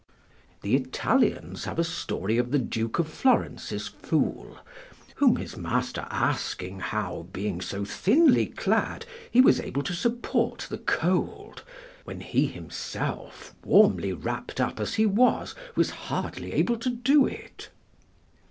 The Italians have a story of the Duke of Florence's fool, whom his master asking how, being so thinly clad, he was able to support the cold, when he himself, warmly wrapped up as he was, was hardly able to do it?